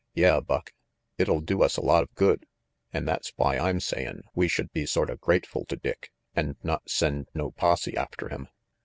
Yeah, Buck, it'll do us a lot of good, an' that's why I'm sayin' we should be sorta grateful to Dick and not send no posse after him.